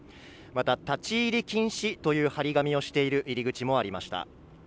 また立ち入り禁止という貼り紙をしている入り口もありました。